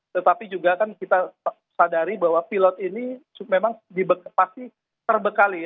tetapi juga kan kita sadari bahwa pilot ini memang pasti terbekali